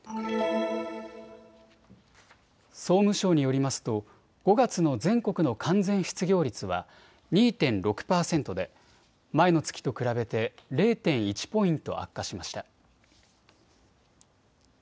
総務省によりますと５月の全国の完全失業率は２．６％で前の月と比べて０．１ポイント悪化しました。